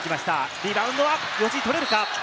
リバウンドは無事取れるか？